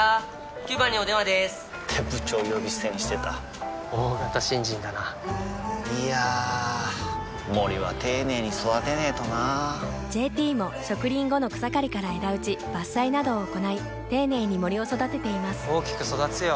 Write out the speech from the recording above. ９番にお電話でーす！って部長呼び捨てにしてた大型新人だないやー森は丁寧に育てないとな「ＪＴ」も植林後の草刈りから枝打ち伐採などを行い丁寧に森を育てています大きく育つよ